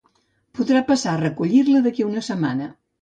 Podrà passar a recollir-la d'aquí a una setmana.